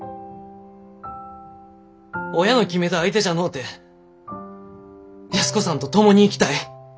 親の決めた相手じゃのうて安子さんと共に生きたい。